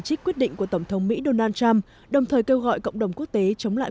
trích quyết định của tổng thống mỹ donald trump đồng thời kêu gọi cộng đồng quốc tế chống lại